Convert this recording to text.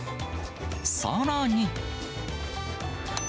さらに。